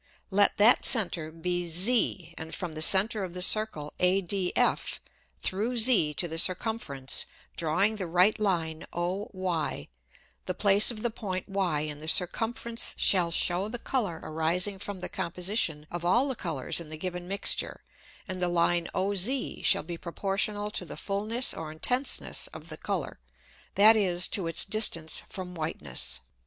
Let that Center be Z; and from the Center of the Circle ADF, through Z to the Circumference, drawing the Right Line OY, the Place of the Point Y in the Circumference shall shew the Colour arising from the Composition of all the Colours in the given Mixture, and the Line OZ shall be proportional to the Fulness or Intenseness of the Colour, that is, to its distance from Whiteness.